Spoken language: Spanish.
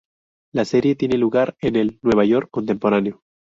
La serie tiene lugar en el Nueva York contemporáneo.